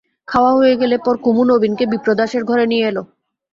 খাওয়া হয়ে গেলে পর কুমু নবীনকে বিপ্রদাসের ঘরে নিয়ে এল।